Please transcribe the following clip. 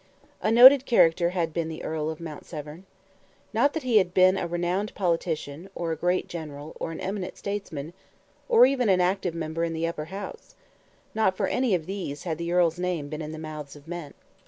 A noted character had been the Earl of Mount Severn. Not that he had been a renowned politician, or a great general, or an eminent statesman, or even an active member in the Upper House; not for any of these had the earl's name been in the mouths of men.